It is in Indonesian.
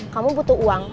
kamu butuh uang